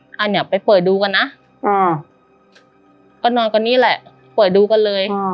ค่ะเนี่ยไปเปิดดูกันนะก็นอนกันนี่แหละเปิดดูกันเลย